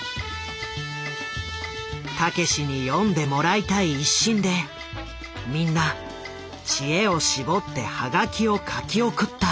たけしに読んでもらいたい一心でみんな知恵を絞ってハガキを書き送った。